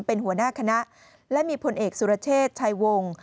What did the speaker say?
เป็นหัวหน้าคณะและมีผลเอกสุรเชษชายวง